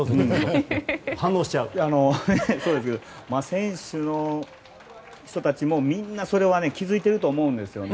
選手の人たちもみんなそれは気づいてると思うんですよね。